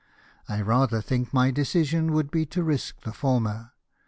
I rather think my decision would be to risk the former."